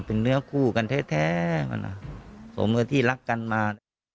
เป็นเนื้อคู่กันแท้มันสมกับที่รักกันมา